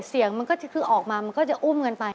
เสียงมันก็คือออกมามันก็จะอุ้มกันไป